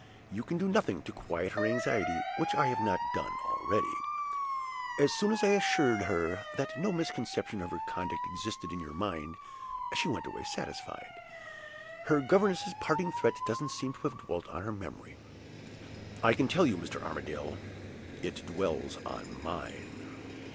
You can do nothing to quiet her anxiety which I have not done already. As soon as I had assured her that no misconception of her conduct existed in your mind, she went away satisfied. Her governess's parting threat doesn't seem to have dwelt on her memory. I can tell you, Mr. Armadale, it dwells on mine!